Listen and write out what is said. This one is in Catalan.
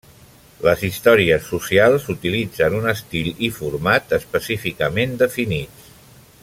Les històries socials utilitzen un estil i format específicament definits.